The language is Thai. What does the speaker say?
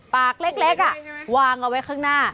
ปากเล็กวางเอาไว้ข้างหน้า